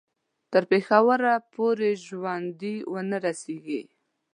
تر پېښوره پوري ژوندي ونه رسیږي.